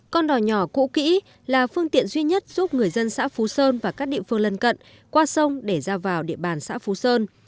con đỏ nhỏ cũ kỹ là phương tiện duy nhất giúp người dân xã phú sơn và các địa phương lân cận qua sông để ra vào địa bàn xã phú sơn